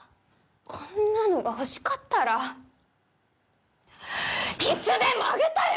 こんなのが欲しかったらいつでもあげたよ！